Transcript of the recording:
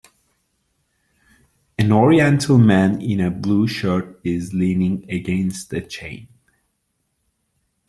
An oriental man in a blue shirt is leaning against a chain.